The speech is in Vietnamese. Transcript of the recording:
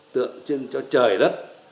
tượng trưng cho trời đất